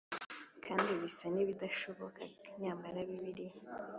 kandi bisa n ibidashoboka Nyamara Bibiliya